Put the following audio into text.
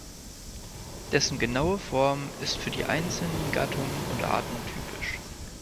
Dessen genaue Form ist für die einzelnen Gattungen und Arten typisch.